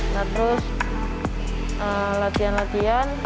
nah terus latihan latihan